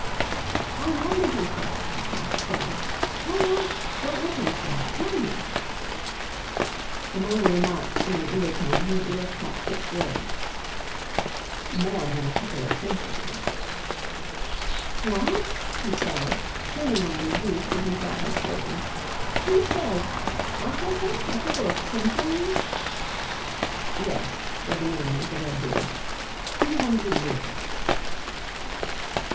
"How long did you say?" asked Graham. "How long? Don't look like that. Tell me." Among the remarks in an undertone, his ear caught six words: "More than a couple of centuries." "What?" he cried, turning on the youth who he thought had spoken. "Who says ? What was that? A couple of centuries!" "Yes," said the man with the red beard. "Two hundred years."